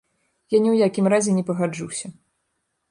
Я ні ў якім разе не пагаджуся.